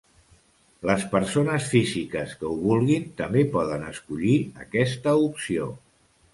Les persones físiques que ho vulguin també poden escollir aquesta opció.